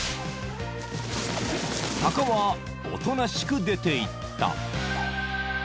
［タカはおとなしく出ていった］